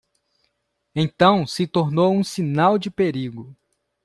Então se tornou um sinal de perigo.